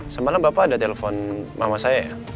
semalam bapak ada telepon mama saya